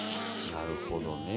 なるほど。